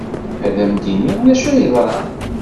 Ad am-d-iniɣ d acu ay yeḍran.